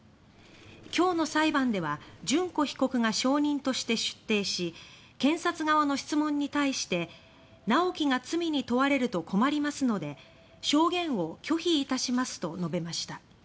きょうの裁判では淳子被告が証人として出廷し「直樹が罪に問われると困りますので証言を拒否致します」と述べました。